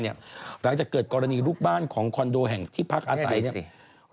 หลังจากเกิดกรณีลูกบ้านของคอนโดแห่งที่พักอาศัย